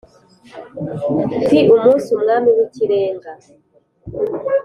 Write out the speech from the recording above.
P umunsi umwami w ikirenga